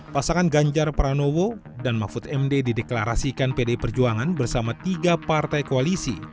pasangan ganjar pranowo dan mahfud md dideklarasikan pdi perjuangan bersama tiga partai koalisi